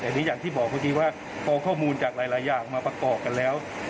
อันนี้อย่างที่บอกเมื่อกี้ว่าพอข้อมูลจากหลายอย่างมาประกอบกันแล้ว